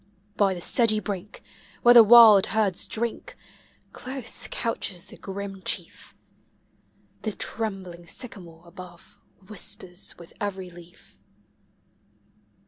By the sedgy brink, where the wild herds drink. close conches the grim chief; The trembling sycamore above whispers with every leaf.